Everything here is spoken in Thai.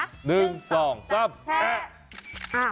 ๑๒๓แช่